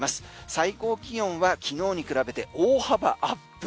最高気温は昨日に比べて大幅アップ。